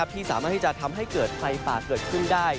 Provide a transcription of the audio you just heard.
ที่สามารถที่จะทำให้เกิดไฟป่าเกิดขึ้นได้